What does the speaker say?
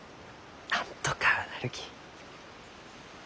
なんとかなるき。